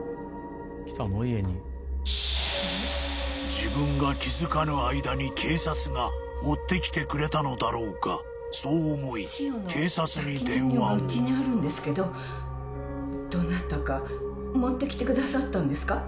自分が気づかぬ間に警察が持ってきてくれたのだろうかそう思い警察に電話を抱き人形がうちにあるんですけどどなたか持ってきてくださったんですか？